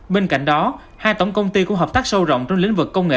bên cạnh đó hai tổng công ty cũng hợp tác sâu rộng trong lĩnh vực công nghệ